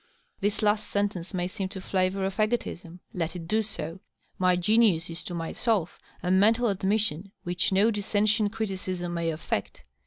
This last sentence may seem to flavor of ^otism. Let it do so. My genius is to myself a mental admission which no dissentient criti cism may affect.